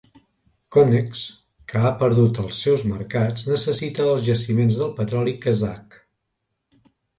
Connex, que ha perdut els seus mercats, necessita els jaciments del petroli kazakh.